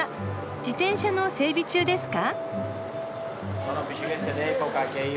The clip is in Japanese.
自転車の整備中ですか？